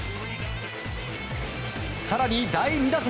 更に第２打席